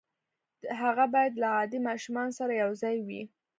هغه بايد له عادي ماشومانو سره يو ځای وي.